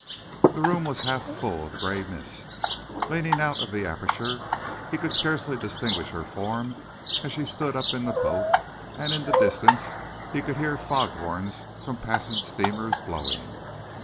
The room was half full of grey mist. Leaning out of the aperture, he could scarcely distinguish her form as she stood up in the boat, and in the distance he could hear foghorns from passing steamers blowing.